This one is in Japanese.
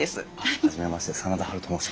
初めまして真田ハルと申します。